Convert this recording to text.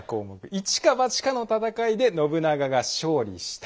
「一か八かの戦いで信長が勝利した」。